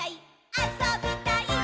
あそびたいっ！！」